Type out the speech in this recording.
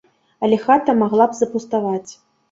Але хата магла б запуставаць.